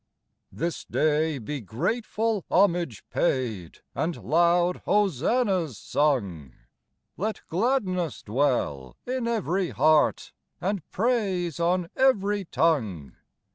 This day be grateful homage paid, And loud hosannas sung ; Let gladness dwell in every heart, And praise on every tongue.